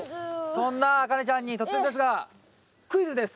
そんなあかねちゃんに突然ですがクイズです！